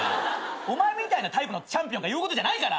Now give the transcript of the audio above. お前みたいなタイプのチャンピオンが言うことじゃないから。